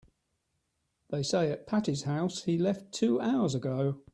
They say at Patti's house he left two hours ago.